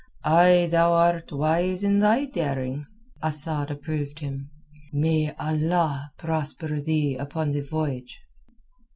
"Ay—thou art wise in thy daring," Asad approved him. "May Allah prosper thee upon the voyage."